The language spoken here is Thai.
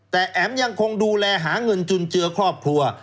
แต่แอ๋มยังคงดูแลหาเงินจุนเจือครอบครัว